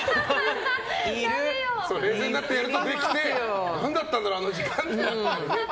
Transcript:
冷静になってやるとできて何だったんだろう、あの時間って。